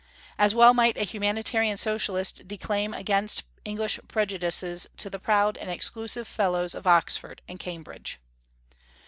"As well might a humanitarian socialist declaim against English prejudices to the proud and exclusive fellows of Oxford and Cambridge."